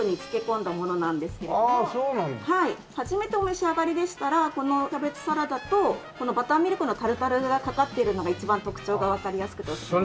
初めてお召し上がりでしたらこのキャベツサラダとこのバターミルクのタルタルがかかってるのが一番特徴がわかりやすくておすすめです。